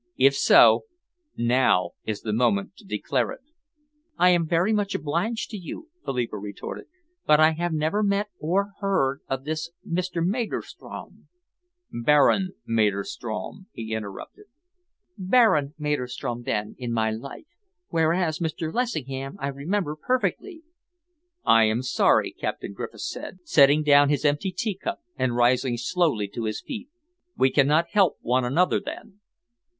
If so, now is the moment to declare it." "I am very much obliged to you," Philippa retorted, "but I have never met or heard of this Mr. Maderstrom " "Baron Maderstrom," he interrupted. "Baron Maderstrom, then, in my life; whereas Mr. Lessingham I remember perfectly." "I am sorry," Captain Griffiths said, setting down his empty teacup and rising slowly to his feet. "We cannot help one another, then."